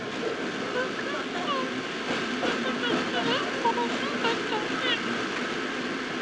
The king sent messengers to the oracle at Delphi.